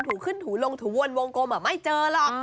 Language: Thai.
ขึ้นถูลงถูวนวงกลมไม่เจอหรอก